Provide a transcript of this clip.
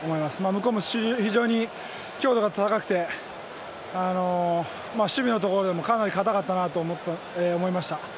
向こうも非常に強度が高くて守備のところでもかなり堅かったと思いました。